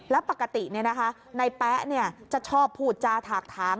แล้วปกตินี่นะคะนายแป๊ะจะชอบพูดจาถากถาม